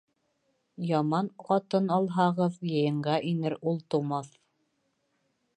Яман ҡатын алһағыҙ, йыйынға инер ул тыумаҫ.